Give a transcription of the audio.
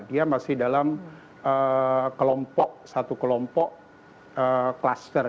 dia masih dalam kelompok satu kelompok kluster